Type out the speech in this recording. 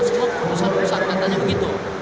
semua perusahaan perusahaan katanya begitu